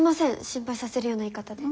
心配させるような言い方で。